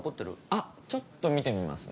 あっちょっと見てみますね。